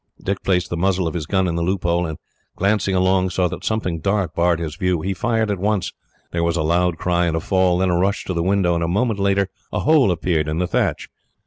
Dick placed the muzzle of his gun in the loophole, and, glancing along, saw that something dark barred his view. He fired at once. There was a loud cry and a fall, then a rush to the window, and a moment later a hole appeared in the thatch.